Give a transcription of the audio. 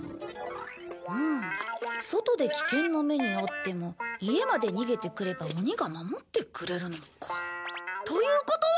うん外で危険な目に遭っても家まで逃げてくれば鬼が守ってくれるのか。ということは！